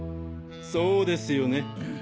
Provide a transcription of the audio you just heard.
そうですよね？